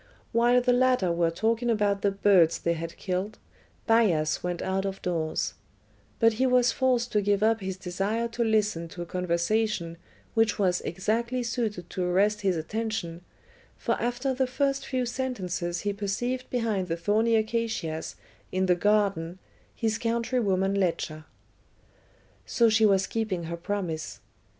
While the latter were talking about the birds they had killed, Bias went out of doors; but he was forced to give up his desire to listen to a conversation which was exactly suited to arrest his attention, for after the first few sentences he perceived behind the thorny acacias in the "garden" his countrywoman Ledscha. So she was keeping her promise.